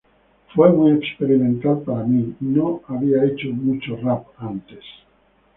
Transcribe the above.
Fue muy experimental para mí, no había hecho mucho rap antes.